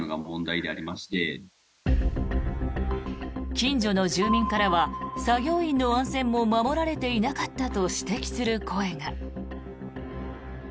近所の住民からは作業員の安全も守られていなかったと指摘する声が。